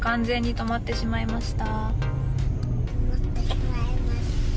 止まってしまいました。